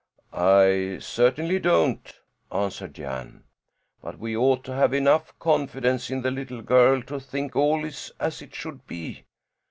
"I certainly don't," answered Jan. "But we ought to have enough confidence in the little girl to think all is as it should be."